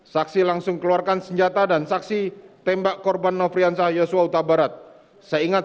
saksi mengatakan apakah senjatamu sudah diisikan